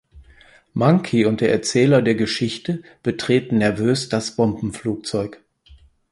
Monkey und der Erzähler der Geschichte betreten nervös das Bombenflugzeug.